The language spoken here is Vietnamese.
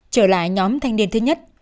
trở lại nhóm thanh niên thứ nhất